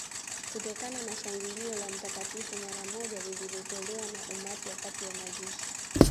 Kutokana na shangilio la Mtakatifu mara moja lililotolewa na umati wakati wa mazishi